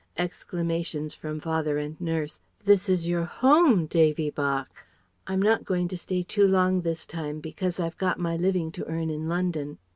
(Exclamations from father and nurse: "This is your home, Davy bach!") "I'm not going to stay too long this time because I've got my living to earn in London....